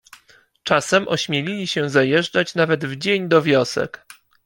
Czasem ośmielili się zajeżdżać nawet w dzień do wiosek.